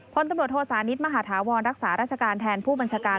พลตำรวจโทษานิทมหาธาวรรักษาราชการแทนผู้บัญชาการ